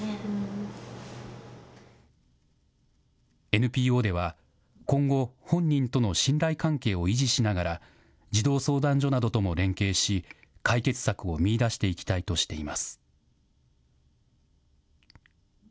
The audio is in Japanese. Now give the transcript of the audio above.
ＮＰＯでは、今後、本人との信頼関係を維持しながら、児童相談所などとも連携し、解決策を見いだしていきたいとしています。